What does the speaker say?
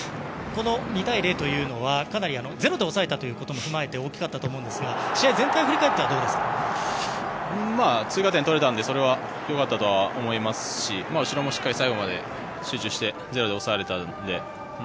この２対０というのはかなりゼロで抑えたのも含めて大きかったと思うんですが試合全体を振り返っては追加点を取れたのでそれは、良かったとは思いますし後ろもしっかり最後まで集中して０で抑えられたので。